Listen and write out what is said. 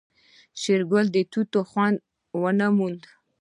شېرګل د توت خوند ونه موند.